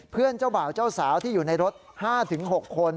เจ้าบ่าวเจ้าสาวที่อยู่ในรถ๕๖คน